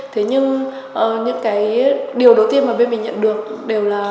thế nhưng những cái điều đầu tiên mà bên mình nhận được đều là